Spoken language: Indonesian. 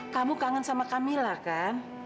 kamu kangen sama camilla kan